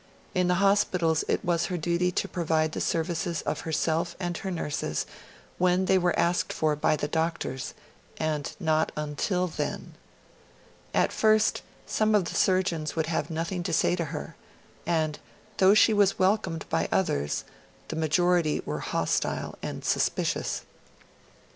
In the hospitals it was her duty to provide the services of herself and her nurses when they were asked for by the doctors, and not until then. At first some of the surgeons would have nothing to say to her, and, though she was welcomed by others, the majority were hostile and suspicious.